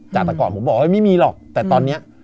จากแต่ก่อนผมบอกเฮ้ยไม่มีหรอกแต่ตอนนี้